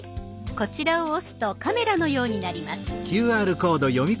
こちらを押すとカメラのようになります。